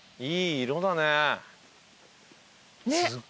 いい色だね。